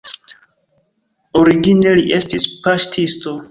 Origine li estis paŝtisto.